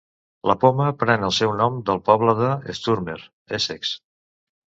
La poma pren el seu nom del poble de Sturmer, Essex.